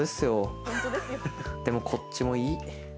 でもこっちもいい。